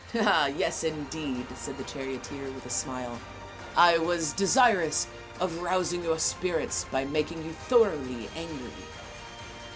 " Yes, indeed," said the charioteer with a smile. " I was desirous of rousing your spirits by making you thoroughly angry."